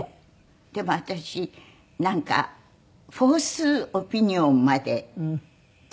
でも私なんかフォースオピニオンまで取っちゃって。